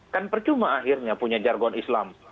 kan percuma akhirnya punya jargon islam